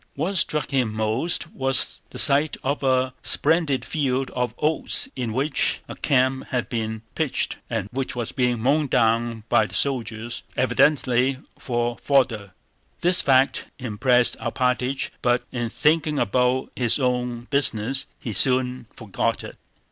What struck him most was the sight of a splendid field of oats in which a camp had been pitched and which was being mown down by the soldiers, evidently for fodder. This fact impressed Alpátych, but in thinking about his own business he soon forgot it.